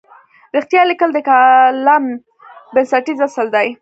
رښتیا لیکل د کالم بنسټیز اصل دی.